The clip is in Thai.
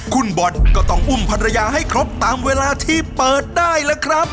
คุณบอลก็ต้องอุ้มภรรยาให้ครบตามเวลาที่เปิดได้ล่ะครับ